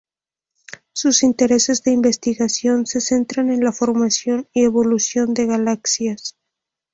Sus intereses de investigación se centran en la formación y evolución de galaxias.